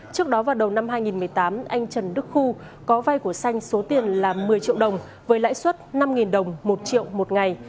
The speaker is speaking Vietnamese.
trước đó vào đầu năm hai nghìn một mươi tám anh trần đức khu có vay của xanh số tiền là một mươi triệu đồng với lãi suất năm đồng một triệu một ngày